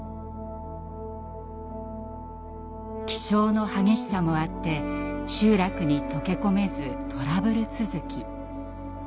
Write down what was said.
気性の激しさもあって集落に溶け込めずトラブル続き。